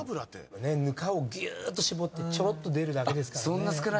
ぬかをぎゅーっと搾ってちょろっと出るだけですからね。